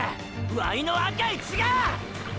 ワイの赤い血が！！